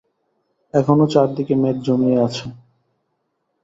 এখনও চারিদিকে মেঘ জমিয়া আছে।